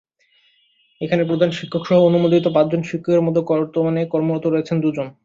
এখানে প্রধান শিক্ষকসহ অনুমোদিত পাঁচজন শিক্ষকের মধ্যে বর্তমানে কর্মরত রয়েছেন দুজন।